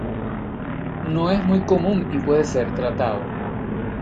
No es muy común y puede ser tratado.